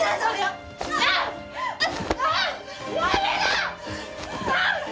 やめろ！